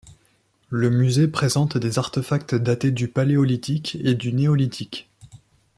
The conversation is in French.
Le musée présente des artefacts datés du paléolithique et du néolithique.